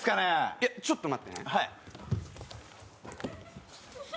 いやちょっと待ってねはい